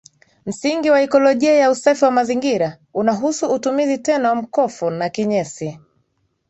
Msingi wa ikolojia ya usafi wa mazingira unahusu utumizi tena wa mkofo na kinyesi